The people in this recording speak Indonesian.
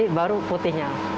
nanti baru putihnya